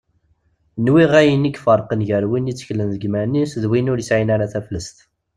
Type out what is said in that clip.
Nwiɣ ayen i iferqen gar win itteklen deg yiman-is d win ur yesɛin ara taflest.